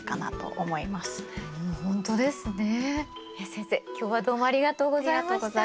先生今日はどうもありがとうございました。